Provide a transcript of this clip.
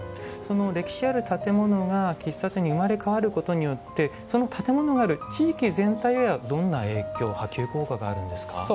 その歴史ある建物が喫茶店に生まれ変わることによってその建物がある地域全体へはどんな影響波及効果があるんですか？